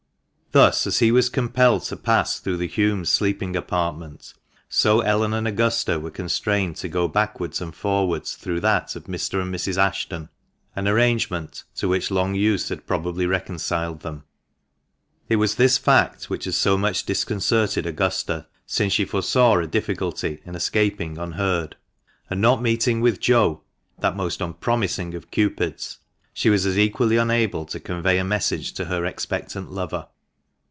Thus, as he was compelled to pass through the Hulmes' sleeping apartment, so Ellen and Augusta were constrained to go back wards and forwards through that of Mr. and Mrs. long use had probably Ashton — an arrangement to reconciled them. It was this fact which had so much disconcerted Augusta, since she foresaw a difficulty in escaping unheard ; and not meeting with Joe (that most unpromising of Cupids), she was as equally unable to convey a message to her expectant lover.